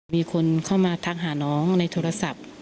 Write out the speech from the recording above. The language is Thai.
มีคนเข้ามาทักหาน้องในโทรศัพท์